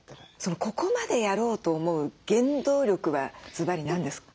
ここまでやろうと思う原動力はずばり何ですか？